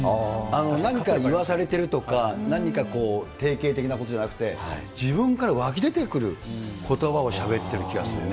何か言わされてるとか、何か定型的なことじゃなくて、自分から湧き出てくることばをしゃべってる気がするね。